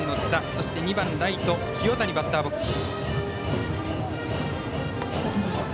そして２番ライト、清谷がバッターボックス。